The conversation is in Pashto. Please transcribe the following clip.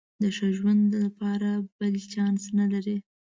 د ښه ژوندانه لپاره بل چانس نه لري.